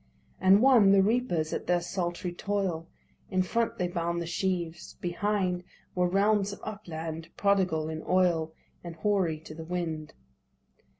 And one, the reapers at their sultry toil. In front they bound the sheaves. Behind Were realms of upland, prodigal in oil, And hoary to the wind.